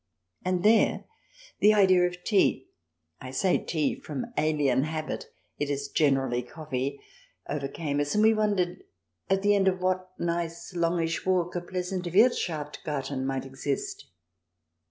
And there the idea of tea — I say tea from alien habit : it is generally coffee — overcame us, and we wondered at the end of what nice longish walk a pleasant Wirthschaft garten might exist